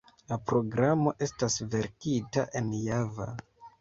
La programo estas verkita en Java.